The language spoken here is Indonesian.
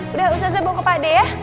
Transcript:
udah ustazah buka pakde ya